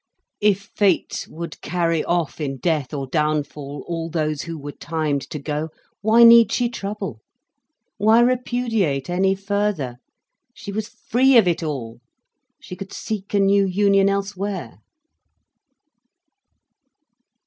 If fate would carry off in death or downfall all those who were timed to go, why need she trouble, why repudiate any further. She was free of it all, she could seek a new union elsewhere.